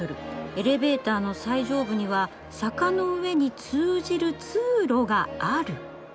エレベーターの最上部には坂の上に通じる通路がある」。